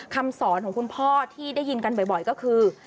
คำสอนของคุณพ่อที่ได้ยินกันบ่อยก็คือ